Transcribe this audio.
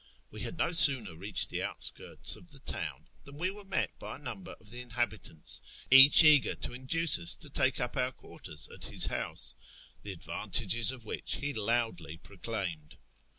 We had no sooner reached the outskirts of the town than we were met by a number of the inhabitants, each eager to induce us to take up our quarters at his house, the 70 A YEAR AMONGST THE PERSIANS ailvantages of wliiili lu' loudly proclaiinod.